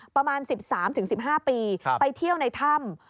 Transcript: ประมาณ๑๓๑๕ปีไปเที่ยวในถ้ำ